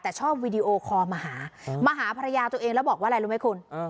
แต่ชอบวีดีโอคอลมาหามาหาภรรยาตัวเองแล้วบอกว่าอะไรรู้ไหมคุณ